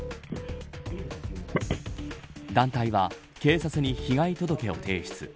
団体は、警察に被害届を提出。